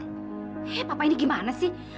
eh papa ini gimana sih